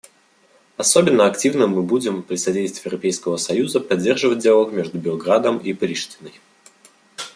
Особенно активно мы будем, при содействии Европейского союза, поддерживать диалог между Белградом и Приштиной.